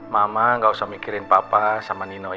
mama gak usah mikirin papa sama nino ya